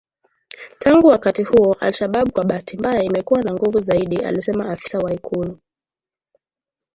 Tangu wakati huo al-Shabab kwa bahati mbaya imekuwa na nguvu zaidi alisema afisa wa Ikulu